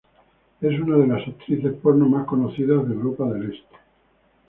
Es una de las actrices porno más conocidas de Europa del este.